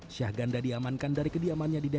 syahgan danenggolan diamankan dari kediamannya